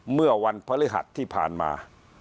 เมื่อวันพฤหัสที่ผ่านมา